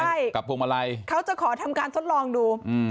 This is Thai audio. ใช่กับพวงมาลัยเขาจะขอทำการทดลองดูอืม